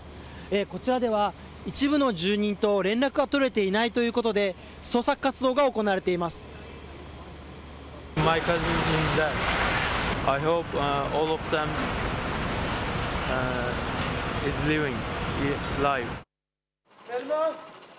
こちらでは、一部の住人と連絡が取れていないということで、捜索活動が行われています。